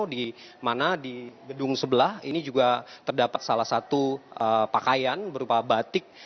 di mana di gedung sebelah ini juga terdapat salah satu pakaian berupa batik